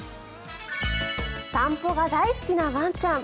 散歩が大好きなワンちゃん。